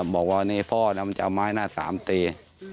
บอกว่าพ่อค์นะจะเอาไม้หน้า๓ตี